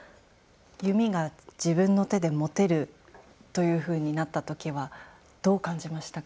弓が自分の手で持てるというふうになった時はどう感じましたか？